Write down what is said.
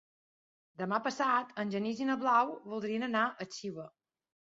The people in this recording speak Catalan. Demà passat en Genís i na Blau voldrien anar a Xiva.